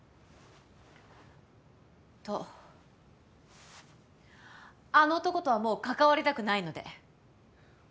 とあの男とはもう関わりたくないので。